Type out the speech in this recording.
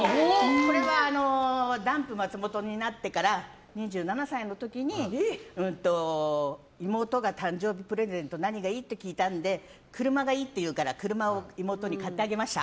これはダンプ松本になってから２７歳の時に妹が誕生日プレゼント何がいい？って聞いたら車がいいって言うから車を妹に買ってあげました。